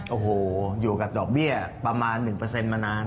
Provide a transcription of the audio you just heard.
โอ้โหอยู่กับดอกเบี้ยประมาณหนึ่งเปอร์เซ็นต์มานาน